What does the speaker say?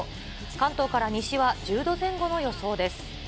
関東から西は１０度前後の予想です。